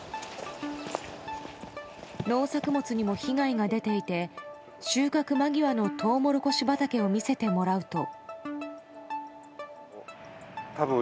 農作物にも被害が出ていて収穫間際のトウモロコシ畑を見せてもらうと。